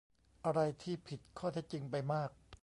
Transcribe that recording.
อะไรที่ผิดข้อเท็จจริงไปมาก